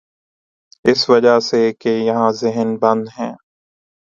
اس وجہ سے کہ یہاں ذہن بند ہیں۔